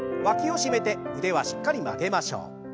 わきを締めて腕はしっかり曲げましょう。